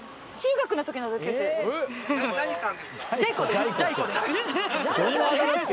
何さんですか？